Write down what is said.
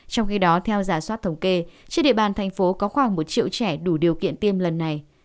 trong khi đó theo giả soát thống kê trên địa bàn thành phố có khoảng một triệu trẻ đủ điều kiện tiêm lần này